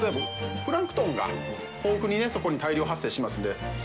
プランクトンが豊富に修海大量発生しますんで修